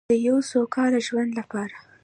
د یو سوکاله ژوند لپاره.